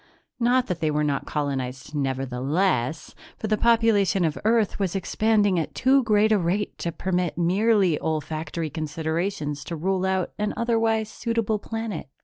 Not that they were not colonized nevertheless, for the population of Earth was expanding at too great a rate to permit merely olfactory considerations to rule out an otherwise suitable planet.